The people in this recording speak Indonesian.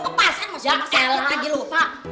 kepas kan mas elah